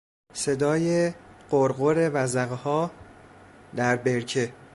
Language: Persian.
صدای قرقر وزغها در برکه